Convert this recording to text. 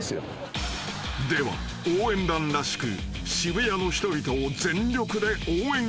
［では応援団らしく］